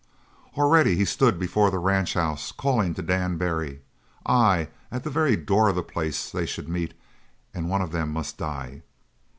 Already he stood before the ranch house calling to Dan Barry. Ay, at the very door of the place they should meet and one of them must die.